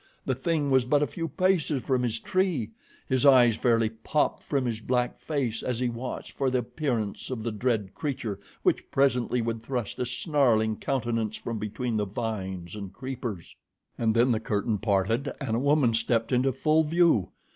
The thing was but a few paces from his tree! His eyes fairly popped from his black face as he watched for the appearance of the dread creature which presently would thrust a snarling countenance from between the vines and creepers. And then the curtain parted and a woman stepped into full view.